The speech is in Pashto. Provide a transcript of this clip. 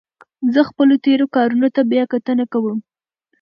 زه خپلو تېرو کارونو ته بیا کتنه کوم.